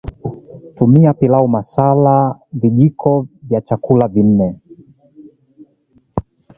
TumiaPilau masala Vijiko vya chakula nne